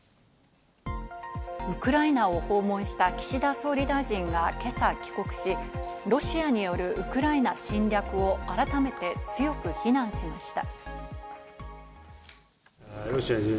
ウクライナを訪問した岸田総理大臣が今朝帰国し、ロシアによるウクライナ侵略を改めて強く非難しました。